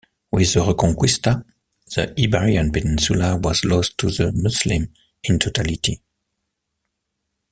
With the Reconquista, the Iberian Peninsula was lost to the Muslims in totality.